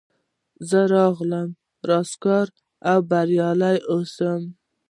زه غواړم رستګار او بریالی اوسم.